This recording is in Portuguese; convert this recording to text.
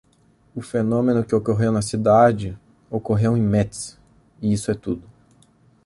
O fenômeno que ocorreu na cidade ocorreu em Metz, e isso é tudo.